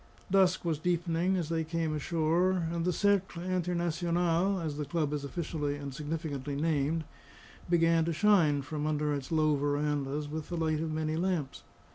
Dusk was deepening as they came ashore; and the Cercle Internationale (as the club is officially and significantly named) began to shine, from under its low verandas, with the light of many lamps.